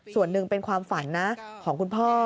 ส่วนหนึ่งเป็นความฝันนะของคุณพ่อ